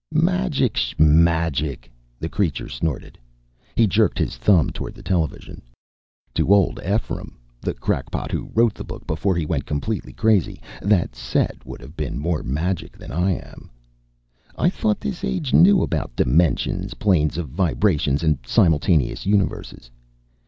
"Magic shmagic!" the creature snorted. He jerked his thumb toward the television. "To old Ephriam the crackpot who wrote the book before he went completely crazy that set would have been more magic than I am. I thought this age knew about dimensions, planes of vibrations, and simultaneous universes.